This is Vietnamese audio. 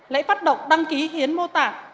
lễ phát động đăng ký hiến mô tạng